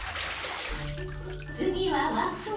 次は和風。